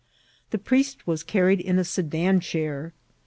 The priest was carried in a sedan chair.